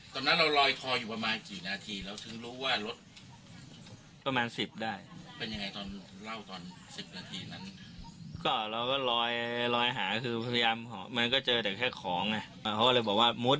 ตอนนั้นเราลอยทออยู่ประมาณกี่นาทีแล้วถึงรู้ว่ารถ